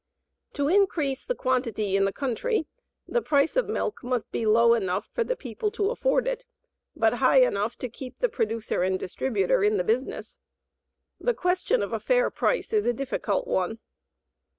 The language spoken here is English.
To increase the quantity in the country the price of milk must be low enough for people to afford it, but high enough to keep the producer and distributer in the business. The question of a fair price is a difficult one.